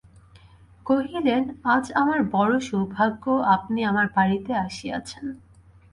কহিলেন, আজ আমার বড়ো সৌভাগ্য, আপনি আমার বাড়িতে আসিয়াছেন।